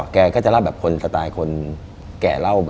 แกก็จะเล่าแบบคนสไตล์คนแก่เล่าไป